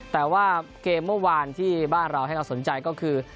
แต่ว่าเกมเมื่อวานที่บ้านเราให้เราสนใจก็คือ